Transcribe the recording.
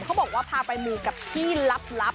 เขาบอกว่าพาไปมูกับที่ลับ